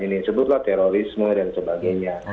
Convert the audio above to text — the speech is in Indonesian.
ini sebutlah terorisme dan sebagainya